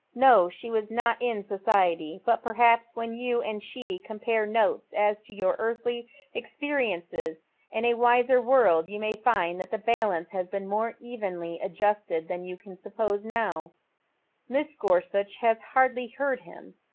No, she was not it, society ; but perhaps when you and she oompare " World, fhy Slippery Turns I " 19 Jiotes as to your earthly experiences in a wiser world you may find that the balance has been more evenly adjusted than you BUppuBe now." ]\Irs. Gorsuch has hardly heard him.